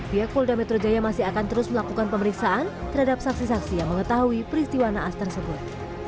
pihak polda metro jaya masih akan terus melakukan pemeriksaan terhadap saksi saksi yang mengetahui peristiwa naas tersebut